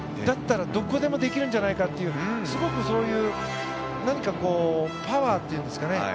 だったら、どこでもできるんじゃないかっていうすごく、そういうパワーというんですかね